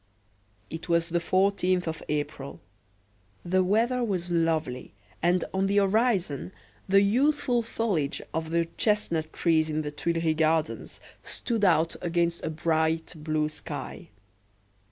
It was the 14th of April; the weather was lovely, and, on the horizon, the youthful foliage of the chestnut trees in the Tuileries gardens stood out against a bright blue sky.